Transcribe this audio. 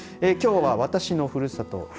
きょうは私はのふるさと